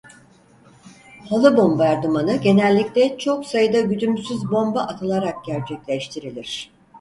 Halı bombardımanı genellikle çok sayıda güdümsüz bomba atılarak gerçekleştirilir.